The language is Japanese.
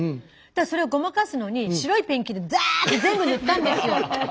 それをごまかすのに白いペンキでザーッて全部塗ったんですよ。